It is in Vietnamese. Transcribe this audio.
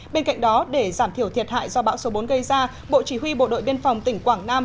bên cạnh đó để giảm thiểu thiệt hại do bão số bốn gây ra bộ chỉ huy bộ đội biên phòng tỉnh quảng nam